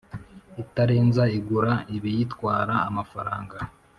Itarenza igura ibiyitwara amafaranga